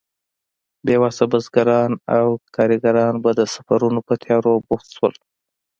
بې وسه بزګران او کارګران به د سفرونو په تيارو بوخت شول.